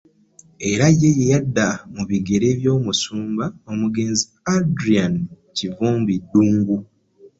Era ye yadda mu bigere by'omusumba omugenzi Adrian Kivumbi Ddungu